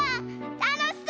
たのしそう！